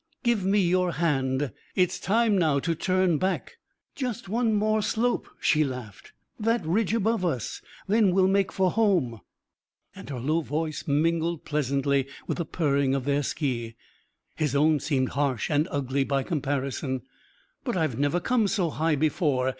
"Give me your hand. It's time now to turn back." "Just one more slope," she laughed. "That ridge above us. Then we'll make for home." And her low voice mingled pleasantly with the purring of their ski. His own seemed harsh and ugly by comparison. "But I have never come so high before.